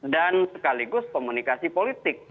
dan sekaligus komunikasi politik